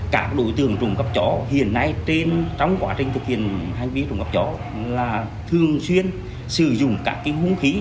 các đối tượng trùng cấp chó hiện nay trong quá trình thực hiện hành vi trộm cắp chó là thường xuyên sử dụng các hung khí